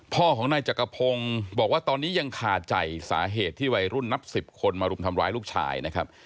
พ่อของนายจักรพงศ์บอกว่าตอนนี้ยังคาใจสาเหตุที่วัยรุ่นนับสิบคนมารุมทำร้ายลูกชายนะครับ